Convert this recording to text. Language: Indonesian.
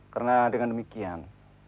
karena dengan demikian